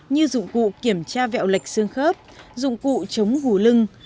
như dụng cụ kiểm tra vẹo lệch xương khớp dụng cụ chống gù lưng